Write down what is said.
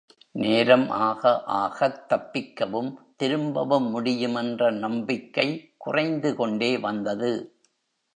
நேரம் ஆகஆகத் தப்பிக்கவும் திரும்பவும் முடியுமென்ற நம்பிக்கை குறைந்துகொண்டே வந்தது.